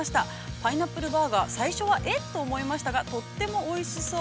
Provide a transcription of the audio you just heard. パイナップルバーガー、最初は、えっ？と思いましたがとってもおいしそう。